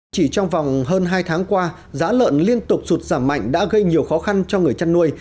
chỉ trong vòng hơn hai tháng qua giá lợn liên tục sụt giảm mạnh đã gây nhiều khó khăn cho người chăn nuôi